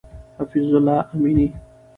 حفیظ الله امینی